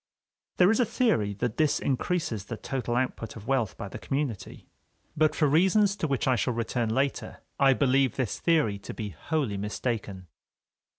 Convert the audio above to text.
There is a theory that this increases the total output of wealth by the community. But for reasons to which I shall return later, I believe this theory to be wholly mistaken.